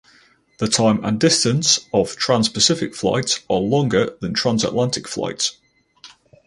The time and distance of transpacific flights are longer than transatlantic flights.